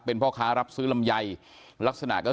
เป็นพ่อค้ารับซื้อลำไยลักษณะก็คือ